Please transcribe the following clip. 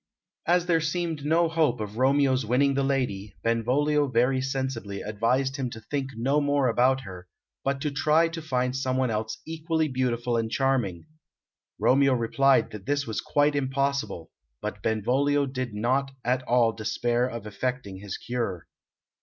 As there seemed no hope of Romeo's winning the lady, Benvolio very sensibly advised him to think no more about her, but to try to find someone else equally beautiful and charming. Romeo replied that this was quite impossible, but Benvolio did not at all despair of effecting his cure.